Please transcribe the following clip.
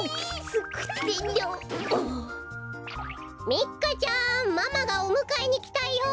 ミカちゃんママがおむかえにきたよ！